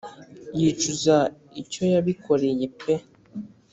yicuza icyo yabikoreye pe.